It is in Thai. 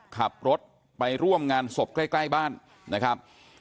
ขับรถไปร่วมงานศพใกล้บ้านนะครับ